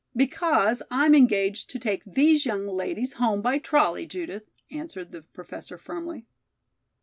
"Because I'm engaged to take these young ladies home by trolley, Judith," answered the Professor firmly.